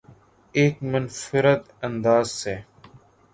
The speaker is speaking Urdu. ایک منفرد انداز سے